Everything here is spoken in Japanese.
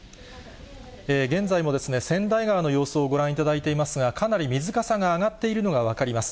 現在も千代川の様子をご覧いただいていますが、かなり水かさが上がっているのが分かります。